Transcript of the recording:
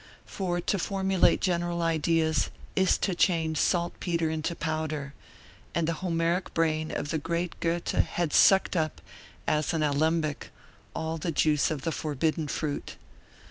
For to formulate general ideas is to change saltpeter into powder, and the Homeric brain of the great Goethe had sucked up, as an alembic, all the juice of the forbidden fruit.